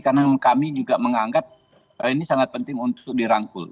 karena kami juga menganggap ini sangat penting untuk dirangkul